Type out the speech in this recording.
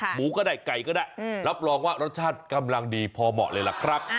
หมูก็ได้ไก่ก็ได้รับรองว่ารสชาติกำลังดีพอเหมาะเลยล่ะครับ